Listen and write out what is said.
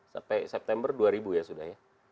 sampai september dua ribu ya sudah ya